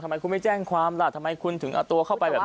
ทำไมคุณไม่แจ้งความล่ะทำไมคุณถึงเอาตัวเข้าไปแบบนี้